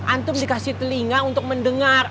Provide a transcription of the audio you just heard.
antum dikasih telinga untuk mendengar